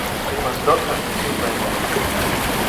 It was built as a two-lane route.